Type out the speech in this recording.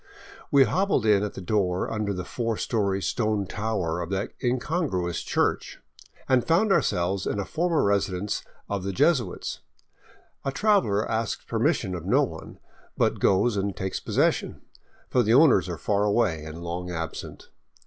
We hobbled in at a door under the four story stone tower of that incongruous church, and found ourselves in a former residence of the Jesuits. The traveler asks permission of no one, but goes and takes possession; for the owners are far away and long absent.